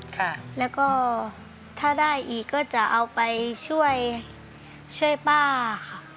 ค่ะแล้วก็ถ้าได้อีกก็จะเอาไปช่วยช่วยป้าค่ะ